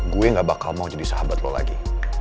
gue gak bakal mau jadi sahabat lo lagi